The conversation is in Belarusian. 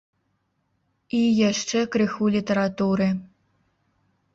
І яшчэ крыху літаратуры.